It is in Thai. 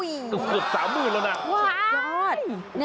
เยอะจอด